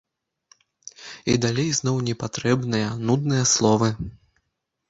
І далей зноў непатрэбныя, нудныя словы.